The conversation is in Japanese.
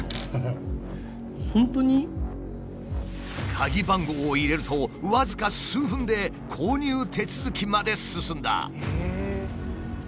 鍵番号を入れると僅か数分で購入手続きまで進んだ。